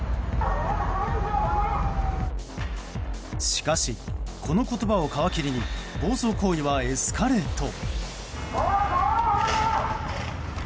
しかし、この言葉を皮切りに暴走行為はエスカレート。